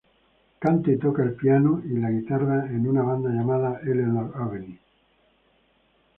Canta y toca el piano y la guitarra en una banda llamada "Eleanor Avenue".